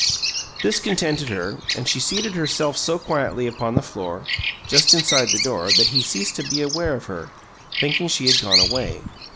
This contented her, and she seated herself so quietly upon the floor, just inside the door, that he ceased to be aware of her, thinking she had gone away.